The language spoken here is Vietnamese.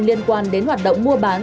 liên quan đến hoạt động mua bán